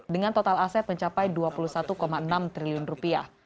dengan total aset mencapai dua puluh satu enam triliun rupiah